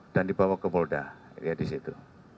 dan dibawa ke polda ya di situ